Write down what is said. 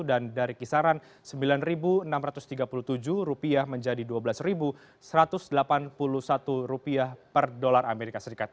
dan dari kisaran rp sembilan enam ratus tiga puluh tujuh menjadi rp dua belas satu ratus delapan puluh satu per dolar amerika serikat